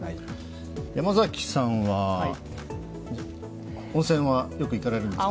山崎さんは、温泉はよく行かれるんですか。